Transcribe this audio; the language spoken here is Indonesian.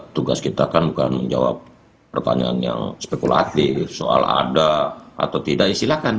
tugas kita kan bukan menjawab pertanyaan yang spekulatif soal ada atau tidak ya silakan